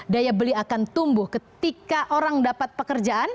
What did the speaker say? daya beli akan tumbuh ketika orang dapat pekerjaan